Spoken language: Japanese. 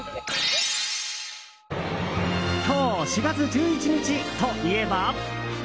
今日４月１１日といえば。